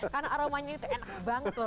karena aromanya itu enak banget loh